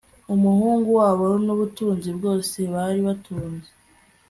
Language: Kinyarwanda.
umuhungu wabo n ubutunzi bwose bari batunze